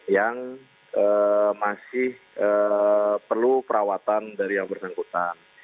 yang masih perlu perawatan dari yang bersangkutan